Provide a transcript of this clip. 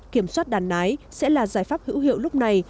kiểm soát đàn nái sẽ là giải pháp hữu hiệu lúc này